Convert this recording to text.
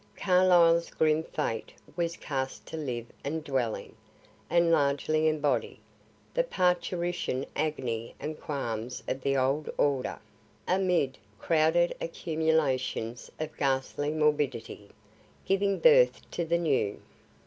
Carlyle's grim fate was cast to live and dwell in, and largely embody, the parturition agony and qualms of the old order, amid crowded accumulations of ghastly morbidity, giving birth to the new.